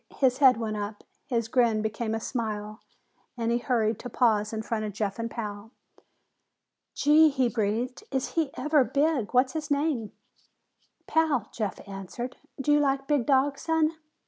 His head went up, his grin became a smile, and he hurried to pause in front of Jeff and Pal. "Gee!" he breathed. "Is he ever big! What's his name?" "Pal," Jeff answered. "Do you like big dogs, son?"